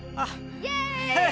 イエーイ！